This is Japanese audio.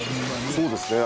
そうですね